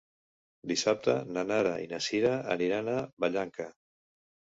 Dissabte na Nara i na Sira aniran a Vallanca.